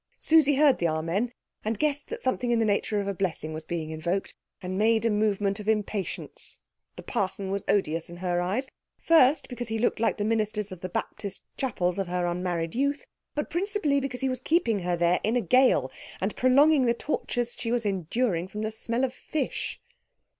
Susie heard the Amen, and guessed that something in the nature of a blessing was being invoked, and made a movement of impatience. The parson was odious in her eyes, first because he looked like the ministers of the Baptist chapels of her unmarried youth, but principally because he was keeping her there in the gale and prolonging the tortures she was enduring from the smell of fish.